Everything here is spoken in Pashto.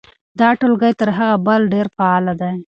دا ټولګی تر هغه بل ډېر فعال دی.